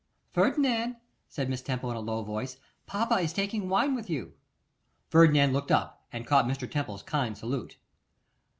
'Ferdinand,' said Miss Temple in a low voice, 'papa is taking wine with you.' Ferdinand looked up and caught Mr. Temple's kind salute.